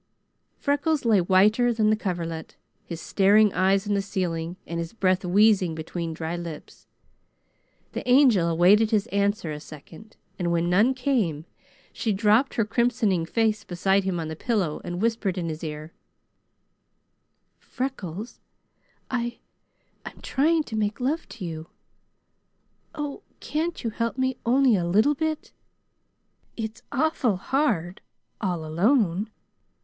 Freckles lay whiter than the coverlet, his staring eyes on the ceiling and his breath wheezing between dry lips. The Angel awaited his answer a second, and when none came, she dropped her crimsoning face beside him on the pillow and whispered in his ear: "Freckles, I I'm trying to make love to you. Oh, can't you help me only a little bit? It's awful hard all alone!